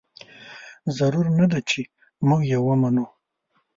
ضرور نه ده چې موږ یې ومنو.